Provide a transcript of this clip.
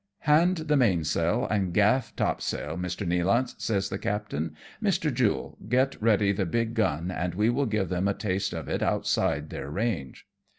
" Hand the mainsail and gaff topsail, Mr. Nealance," says the captain. " Mr. Jule, get ready the big gun and we will give them a taste of it outside their range.''